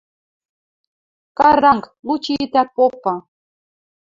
– Каранг, лучи итӓт попы!